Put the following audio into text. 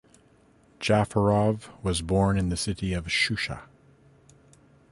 Jafarov was born in the city of Shusha.